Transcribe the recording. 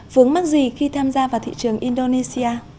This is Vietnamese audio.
vướng mắc gì khi tham gia vào thị trường indonesia